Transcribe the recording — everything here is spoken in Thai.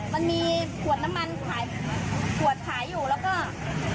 มันมีขวดน้ำมันขายขวดขายอยู่แล้วก็